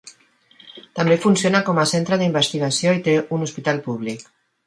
També funciona com a centre d'investigació i té un hospital públic.